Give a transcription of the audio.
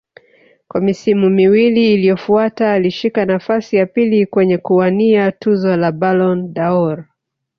Kwa misimu miwili iliyofuata alishika nafasi ya pili kwenye kuwania tuzo za Ballon dâOr